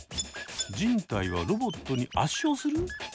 人体はロボットに圧勝する！？